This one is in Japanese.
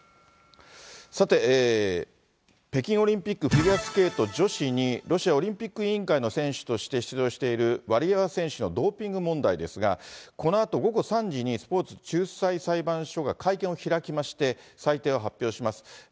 さて、北京オリンピックフィギュアスケート女子に、ロシアオリンピック委員会の選手として出場している、ワリエワ選手のドーピング問題ですが、このあと午後３時に、スポーツ仲裁裁判所が会見を開きまして、裁定を発表します。